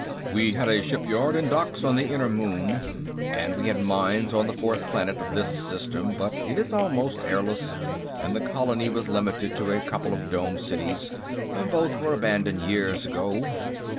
"We had a shipyard and docks on the inner moon, and we had mines on the fourth planet of this system, but it is almost airless and the colony was limited to a couple of dome cities. Both were abandoned years ago."